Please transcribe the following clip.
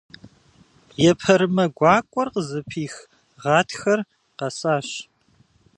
Епэрымэ гуакӀуэр къызыпих Гъатхэр къэсащ.